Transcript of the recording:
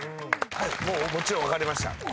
もちろん分かりました。